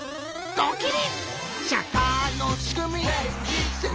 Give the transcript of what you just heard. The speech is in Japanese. ドキリ！